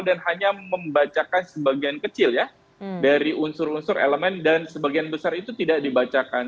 dan hanya membacakan sebagian kecil ya dari unsur unsur elemen dan sebagian besar itu tidak dibacakan